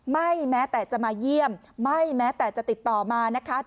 แม้แต่จะมาเยี่ยมไม่แม้แต่จะติดต่อมานะคะ